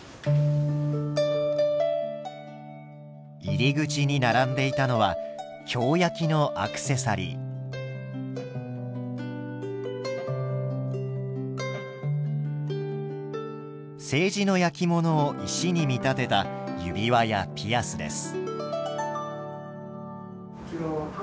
入り口に並んでいたのは青磁の焼き物を石に見立てた指輪やピアスです。